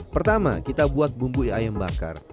pertama kita buat bumbu ayam bakar